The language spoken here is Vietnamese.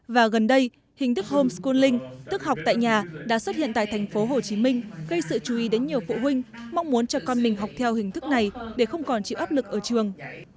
và gần đây hình thức home scoling tức học tại nhà đã xuất hiện tại tp hcm gây sự chú ý đến nhiều phụ huynh mong muốn cho con mình học theo hình thức này để không còn chịu áp lực ở trường